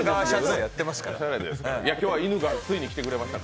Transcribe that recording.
今日はいぬがついに来てくれました。